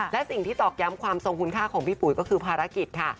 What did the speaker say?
และสิ่งที่ตอกย้ำความทรงคุณค่าของพี่ปุ๋ยก็คือภารกิจค่ะ